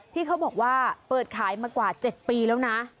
ที่เขาบอกว่าเปิดขายมากว่า๗ปีแล้วนะ